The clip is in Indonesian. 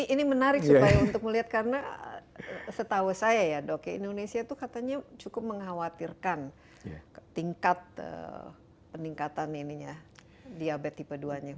ini menarik supaya untuk melihat karena setahu saya ya dok ya indonesia itu katanya cukup mengkhawatirkan tingkat peningkatan ini ya diabetes tipe dua nya